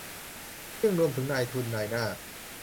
ซึ่งรวมถึงนายทุนนายหน้า